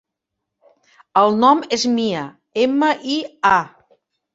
El nom és Mia: ema, i, a.